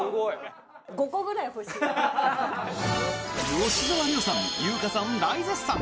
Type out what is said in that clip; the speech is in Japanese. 吉沢亮さん、優香さん大絶賛！